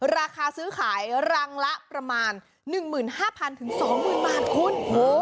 ราคาซื้อขายรังละประมาณหนึ่งหมื่นห้าพันถึงสองหมื่นบาทคุณโห